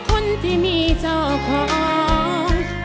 คนที่มีเจ้าของ